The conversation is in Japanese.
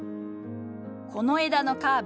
この枝のカーブ